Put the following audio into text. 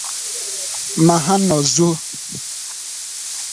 ma ha nọzùo.